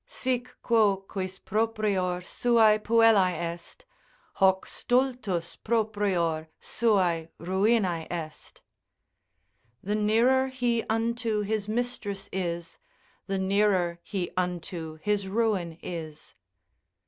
Sic quo quis proprior suae puellae est, Hoc stultus proprior suae runinae est. The nearer he unto his mistress is, The nearer he unto his ruin is.